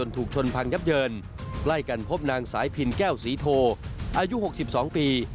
ที่กันพบนางสายผินแก้วศรีโธอายุ๖๒ปี